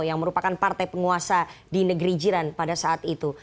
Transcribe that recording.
yang merupakan partai penguasa di negeri jiran pada saat itu